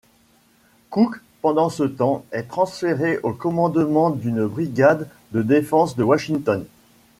Cook pendant ce temps est transféré au commandement d'une brigade des défenses de Washington.